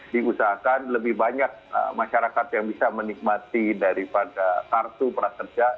diusahakan lebih banyak masyarakat yang bisa menikmati daripada kartu prakerja